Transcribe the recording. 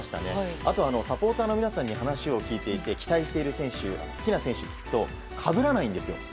あとはサポーターの皆さんに話を聞いていて期待している選手好きな選手を聞くとかぶらないんですよ。